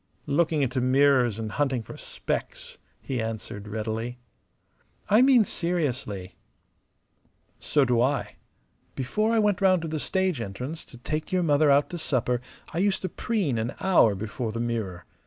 "Looking into mirrors and hunting for specks," he answered, readily. "I mean seriously." "So do I. Before I went round to the stage entrance to take your mother out to supper I used to preen an hour before the mirror.